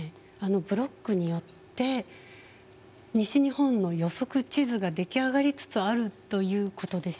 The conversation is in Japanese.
ブロックによって西日本の予測地図が出来上がりつつあるということでしょうか。